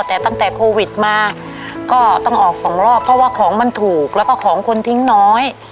แต่ตั้งแต่โควิดมาก็ต้องออกสองรอบเพราะว่าของมันถูกแล้วก็ของคนทิ้งน้อย